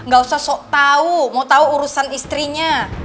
gausah sok tau mau tau urusan istrinya